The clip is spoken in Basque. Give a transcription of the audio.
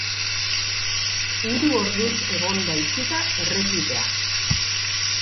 Hiru orduz egon da itxita errepidea.